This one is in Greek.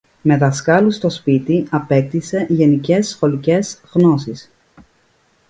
Με δασκάλους στο σπίτι, απέκτησε γενικές σχολικές γνώσεις